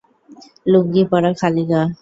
লুঙ্গি পরা, খালি গা।